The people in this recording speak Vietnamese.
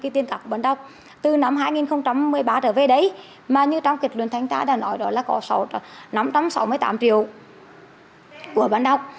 tiền tạc bản đọc từ năm hai nghìn một mươi ba trở về đấy mà như trong kiệt luận thanh tá đã nói đó là có năm trăm sáu mươi tám triệu đồng